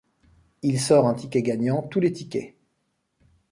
Il sort un ticket gagnant tous les tickets.